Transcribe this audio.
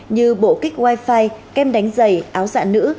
như bộ kích wifi kem đánh giày áo dạ nữ